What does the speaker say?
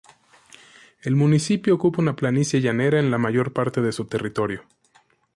El municipio ocupa una planicie llanera en la mayor parte de su territorio.